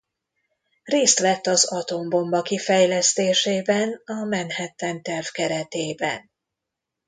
Részt vett az atombomba kifejlesztésében a Manhattan terv keretében.